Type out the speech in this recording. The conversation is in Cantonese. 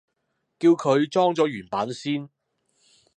叫佢裝咗原版先